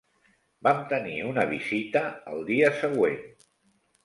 Vam tenir una visita el dia següent.